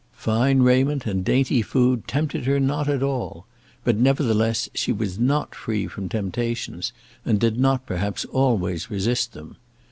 Fine raiment and dainty food tempted her not at all; but nevertheless she was not free from temptations, and did not perhaps always resist them.